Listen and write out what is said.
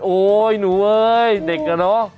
โอ้ยนูเว้ยเด็กค่ะน้อง